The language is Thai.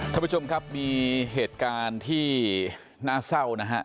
ท่านผู้ชมครับมีเหตุการณ์ที่น่าเศร้านะฮะ